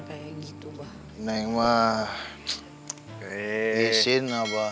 kayak gitu bah neng wah